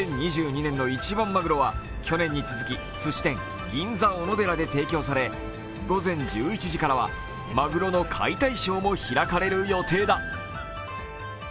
２０２２年の一番マグロは去年に続き、鮨銀座おのでらで提供され、午前１１時からはマグロの解体ショーも開かれる予定だ。